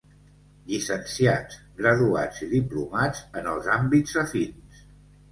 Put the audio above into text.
Llicenciats, graduats i diplomats en els àmbits afins.